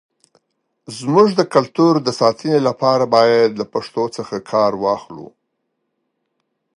زموږ د کلتور د ساتنې لپاره، باید له پښتو څخه کار واخلو.